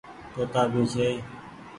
توتآ ڀي ڇي۔